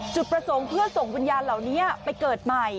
จุดประสงค์เพื่อส่งวิญญาณเหล่านี้ไปเกิดใหม่